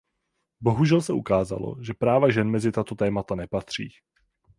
Bohužel se ukázalo, že práva žen mezi tato témata nepatří.